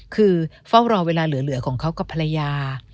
คือเฝ้ารอเวลาเหลือของเขากับภรรยา